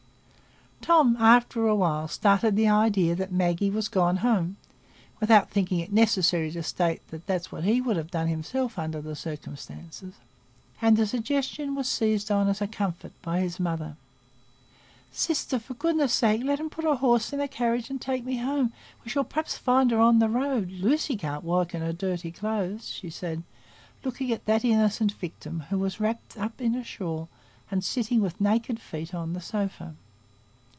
Tom, after a while, started the idea that Maggie was gone home (without thinking it necessary to state that it was what he should have done himself under the circumstances), and the suggestion was seized as a comfort by his mother. "Sister, for goodness' sake let 'em put the horse in the carriage and take me home; we shall perhaps find her on the road. Lucy can't walk in her dirty clothes," she said, looking at that innocent victim, who was wrapped up in a shawl, and sitting with naked feet on the sofa.